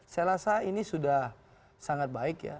saya rasa ini sudah sangat baik ya